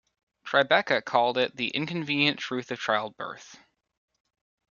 Tribeca called it "The Inconvenient Truth of Childbirth".